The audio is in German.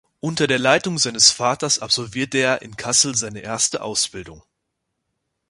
Unter der Leitung seines Vaters absolvierte er in Kassel seine erste Ausbildung.